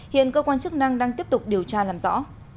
hiện cơ quan chức năng đang tiếp tục điều tra làm rõ